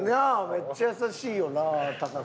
めっちゃ優しいよなタカさん。